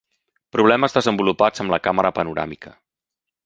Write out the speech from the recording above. Problemes desenvolupats amb la càmera panoràmica.